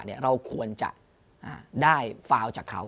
เราควรจะได้ฟาวจากเขา